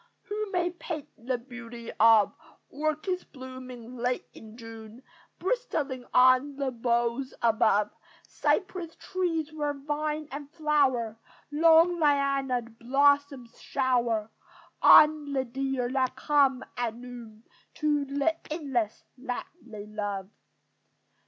Who may paint the beauty of Orchids blooming late in June, Bristling on the boughs above! Cypress trees where vine and flower, Long, liana'd blossoms shower On the deer that come at noon To the inlets that they love.